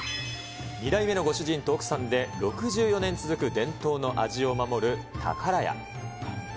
２代目のご主人と奥さんで、６４年続く伝統の味を守る宝家。